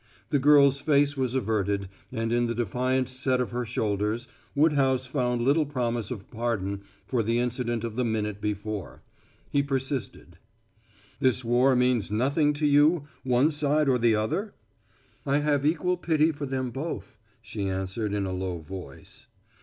The girl's face was averted, and in the defiant set of her shoulders Woodhouse found little promise of pardon for the incident of the minute before. He persisted: "This war means nothing to you one side or the other?" "I have equal pity for them both," she answered in a low voice.